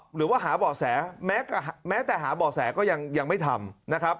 หรือว่าหาเบาะแสแม้แต่หาเบาะแสก็ยังไม่ทำนะครับ